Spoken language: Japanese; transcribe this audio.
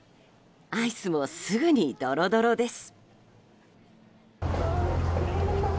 アイスもすぐにドロドロです。